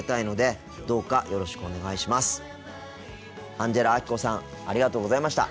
アンジェラアキコさんありがとうございました。